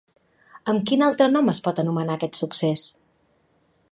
Amb quin altre nom es pot anomenar aquest succés?